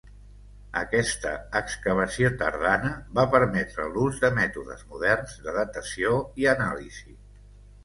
Aquesta excavació tardana va permetre l'ús de mètodes moderns de datació i anàlisi.